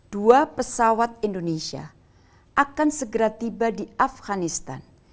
dua pesawat indonesia akan segera tiba di afganistan